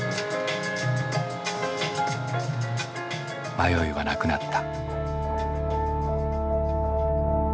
迷いはなくなった。